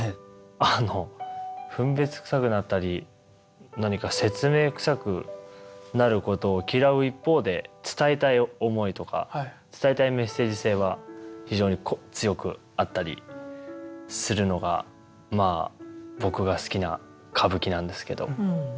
あの分別くさくなったり何か説明くさくなることを嫌う一方で伝えたい思いとか伝えたいメッセージ性は非常に強くあったりするのがまあ僕が好きな歌舞伎なんですけど。